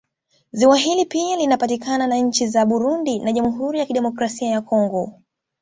Ziwa hili pia linapakana na nchi za Burundi na jamhuri ya Kidemokrasia ya Congo